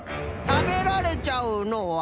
「たべられちゃうのは」？